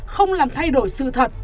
không làm thay đổi sự thật